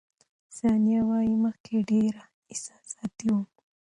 ثانیه وايي، مخکې ډېره احساساتي وم.